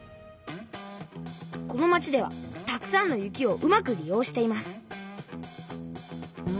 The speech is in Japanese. この町ではたくさんの雪をうまく利用しています